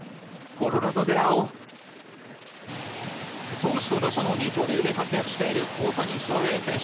投手と打者の二刀流で活躍している大谷翔平選手。